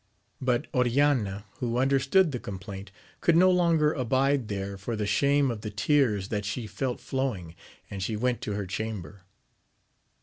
But Oriana, who understood the complaint, could no longer abide there for the shame of the tears that she felt flowing, and she went to her chamber.